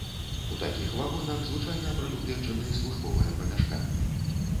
У такіх вагонах звычайна прадугледжаны службовыя памяшканні.